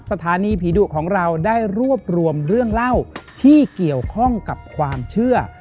สถานีผีดุของเราได้รวบรวมเรื่องเล่าที่เกี่ยวข้องกับความเชื่อ